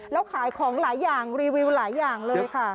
แล้วขายของหลายอย่างรีวิวหลายอย่างเลยค่ะ